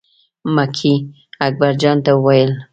مکۍ اکبر جان ته وویل.